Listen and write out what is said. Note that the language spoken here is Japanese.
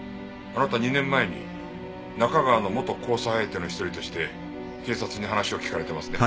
あなた２年前に中川の元交際相手の一人として警察に話を聞かれてますね？